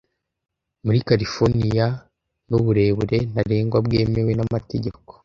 Muri Californiya "nuburebure ntarengwa bwemewe n'amategeko